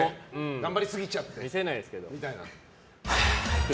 頑張りすぎちゃってみたいな。